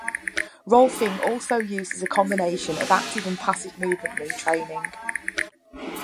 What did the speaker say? Rolfing also uses a combination of active and passive movement retraining.